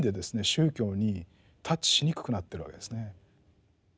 宗教にタッチしにくくなってるわけですね。